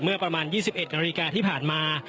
เมื่อประมาณ๒๑นาฬิกาที่ผ่านมา